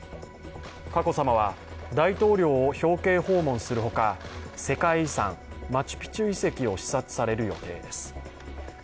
佳子さまは大統領を表敬訪問するほか世界遺産・マチュピチュ遺跡を視察される予定です。